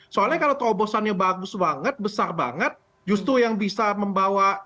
soalnya kalau terobosannya bagus banget besar banget justru yang bisa membawa